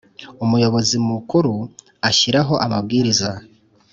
Umuyobozi Mukuru ashyiraho amabwiriza